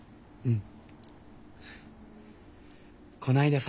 うん。